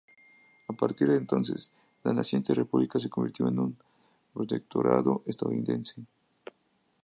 A partir de entonces, la naciente república se convirtió en un protectorado estadounidense.